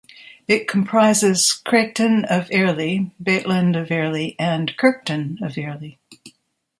It comprises Craigton of Airlie, Baitland of Airlie and Kirkton of Airlie.